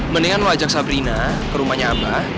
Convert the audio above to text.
mendingan lo ajak sabrina ke rumahnya abang